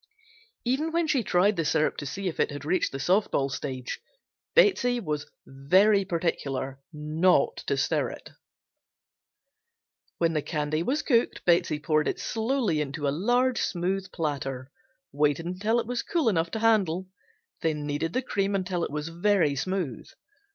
Even when she tried the syrup to see if it had reached the soft ball stage Betsey was very particular not to stir it. When the candy was cooked Betsey poured it slowly into a large smooth platter, waited until it was cool enough to handle, then kneaded the cream until it was very smooth.